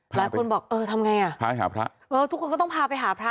หลายคนบอกเออทำไงอ่ะพาไปหาพระเออทุกคนก็ต้องพาไปหาพระ